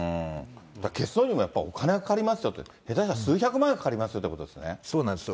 だから、消すのにもやっぱりお金がかかりますよと、下手したら数百万円かかりますよということなんですね。